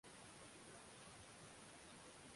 watanzania gazeti la uhuru limeandika kwa kina habari hii